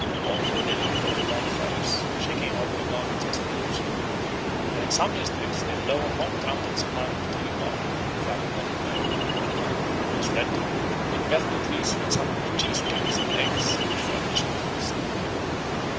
Also they leap over bonfires, shaking out their garments as they do so; and in some districts they blow on long trumpets of lime tree bark to frighten him away. When he has fled to the wood, they pelt the trees with some of the cheese cakes and eggs which furnished the feast.